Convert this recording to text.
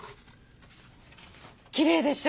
きれいでしょ。